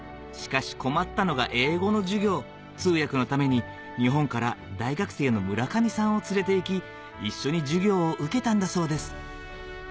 しかし困ったのが英語の授業通訳のために日本から大学生の村上さんを連れていき一緒に授業を受けたんだそうです